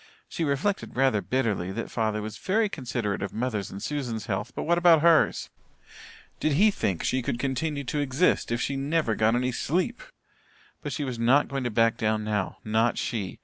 She reflected rather bitterly that father was very considerate of mother's and Susan's health, but what about hers? Did he think she could continue to exist if she never got any sleep? But she was not going to back down now not she.